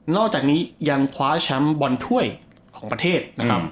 อกจากนี้ยังคว้าแชมป์บอลถ้วยของประเทศนะครับ